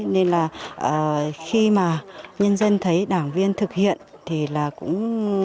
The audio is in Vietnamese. nên là khi mà nhân dân thấy đảng viên thực hiện thì là cũng